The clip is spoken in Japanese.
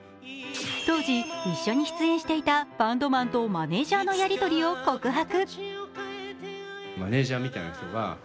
当時、一緒に出演していたバンドマンとマネージャーのやりとりを告白。